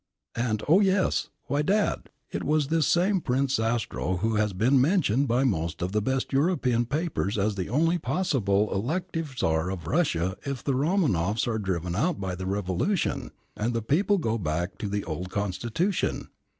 And Oh yes why, Dad, it was this same Prince Zastrow who has been mentioned by most of the best European papers as the only possible Elective Tsar of Russia if the Romanoffs are driven out by the Revolution, and the people go back to the old Constitution.